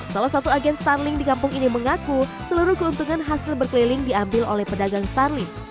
salah satu agen starling di kampung ini mengaku seluruh keuntungan hasil berkeliling diambil oleh pedagang starling